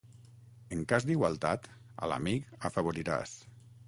En cas d'igualtat, a l'amic afavoriràs.